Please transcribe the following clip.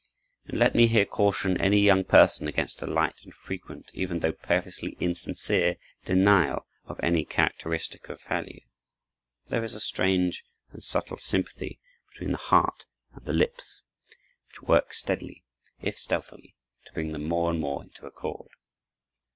And let me here caution any young person against a light and frequent, even though purposely insincere, denial of any characteristic of value; for there is a strange and subtle sympathy between the heart and the lips, which works steadily, if stealthily, to bring them more and more into accord.